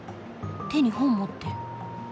手に本持ってる。